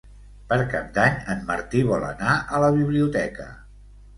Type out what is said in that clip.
Per Cap d'Any en Martí vol anar a la biblioteca.